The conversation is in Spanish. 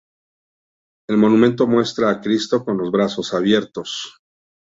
El monumento muestra a Cristo, con los brazos abiertos.